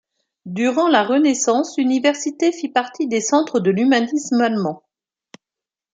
Durant la Renaissance, l'université fit partie des centres de l'humanisme allemand.